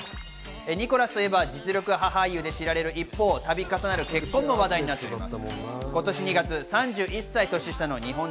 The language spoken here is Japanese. ニコラスといえば実力派俳優で知られる、一方、たび重なる結婚の話題もあります。